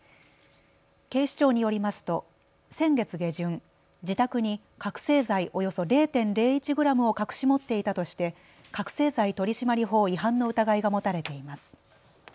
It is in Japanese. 警視庁によりますと先月下旬、自宅に覚醒剤およそ０．０１グラムを隠し持っていたとして覚醒剤取締法違反の疑いが持たれています。